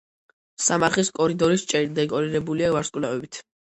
სამარხის კორიდორის ჭერი დეკორირებულია ვარსკვლავებით.